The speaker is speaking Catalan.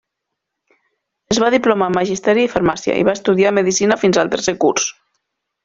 Es va diplomar en magisteri i farmàcia i va estudiar medicina fins al tercer curs.